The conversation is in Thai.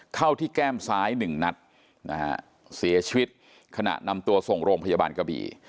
เข้าที่แก้มซ้ายหนึ่งนัดนะฮะเสียชีวิตขณะนำตัวส่งโรงพยาบาลกะบี่